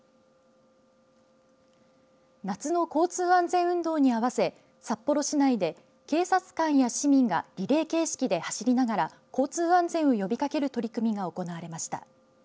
夏の交通安全運動に合わせ札幌市内で警察官や市民がリレー形式で走りながら交通安全を呼びかける取り組みが行われました。